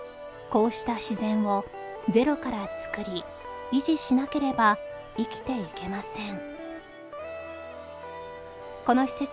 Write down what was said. こうした自然をゼロからつくり維持しなければ生きていけません